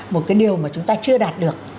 một cái điều mà chúng ta chưa đạt được